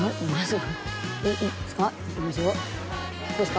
いいですか？